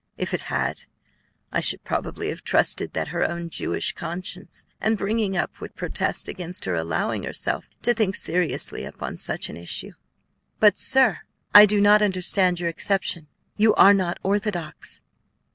If it had, I should probably have trusted that her own Jewish conscience and bringing up would protest against her allowing herself to think seriously upon such an issue." "But, sir, I do not understand your exception; you are not orthodox."